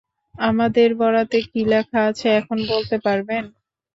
আমাদের বরাতে কী লেখা আছে এখন বলতে পারবেন?